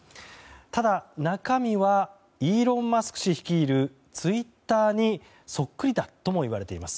ただ、中身はイーロン・マスク氏率いるツイッターにそっくりだともいわれています。